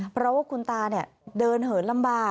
เพราะว่าคุณตาเดินเหินลำบาก